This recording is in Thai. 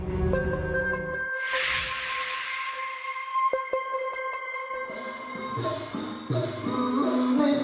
อาสมฤษีเนม